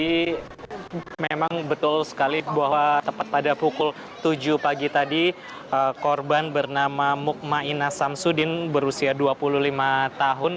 jadi memang betul sekali bahwa tepat pada pukul tujuh pagi tadi korban bernama mukmainas samsudin berusia dua puluh lima tahun